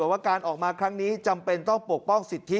ว่าการออกมาครั้งนี้จำเป็นต้องปกป้องสิทธิ